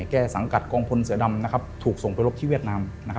แก้สังกัดกองพลเสือดำถูกส่งไปรบที่เวียดนาม